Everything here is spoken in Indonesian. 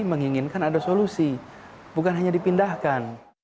menginginkan ada solusi bukan hanya dipindahkan